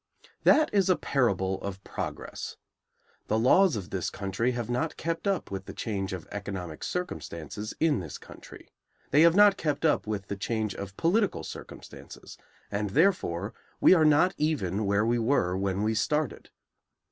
That is a parable of progress. The laws of this country have not kept up with the change of economic circumstances in this country; they have not kept up with the change of political circumstances; and therefore we are not even where we were when we started.